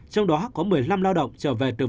trong đó có một mươi năm lao động trở về từ bình dương